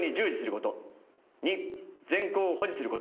「二善行を保持すること」